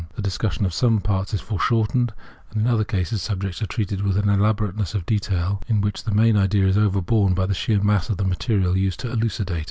The discussion of some parts is foreshortened ; in other cases, subjects are treated with an elaborateness of detail in which the main idea is overborne by the sheer mass of the material used to elucidate it.